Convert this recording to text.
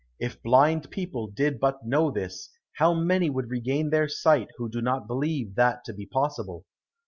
If blind people did but know this, how many would regain their sight who do not believe that to be possible."